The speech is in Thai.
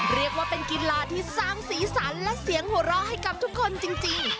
เรียกว่าเป็นกีฬาที่สร้างสีสันและเสียงหัวเราะให้กับทุกคนจริง